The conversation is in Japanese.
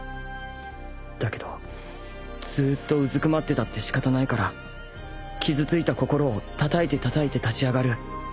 だけどずーっとうずくまってたって仕方ないから傷ついた心をたたいてたたいて立ち上がる